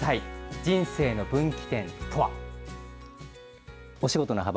人生の分岐点とは。